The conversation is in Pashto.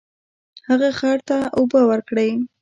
هغه خر ته اوبه ورکړې.